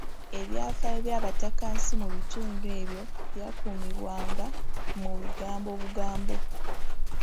Ebyafaayo by’abatakansi mu bitundu ebyo byakuumibwanga mu bigambo bugambo.